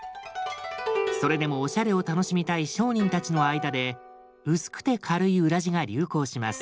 それでもおしゃれを楽しみたい商人たちの間で薄くて軽い裏地が流行します。